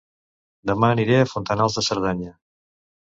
Dema aniré a Fontanals de Cerdanya